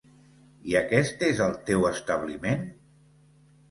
I aquest és el teu establiment?